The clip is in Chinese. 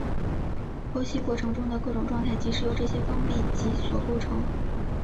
剖析过程中的各种状态即是由这些封闭集所构成。